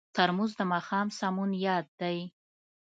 ترموز د ماښام لمسون یاد دی.